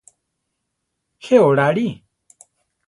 Je orare.